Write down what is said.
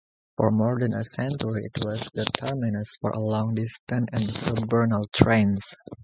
For more than a century it was the terminus for long-distance and suburban trains.